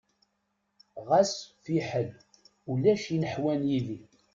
Ɣas fiḥel, ulac ineḥwan yid-i!